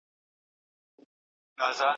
که سپیکر وي نو غږ نه ورکېږي.